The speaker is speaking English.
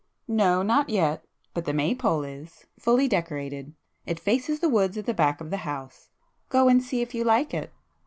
"No, not yet. But the May pole is;—fully decorated. It faces the woods at the back of the house,—go and see if you like it."